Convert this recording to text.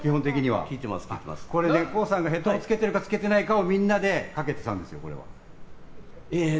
ＫＯＯさんがヘッドホンをつけてるかつけてないかをみんなでかけてたんですよ。